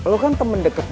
lo kan temen deket gue ya